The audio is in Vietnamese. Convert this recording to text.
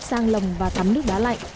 sang lồng và tắm nước đá lạnh